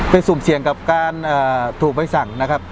ไปสุ่มเสี่ยงกับการเอ่อถูกไปสั่งนะครับ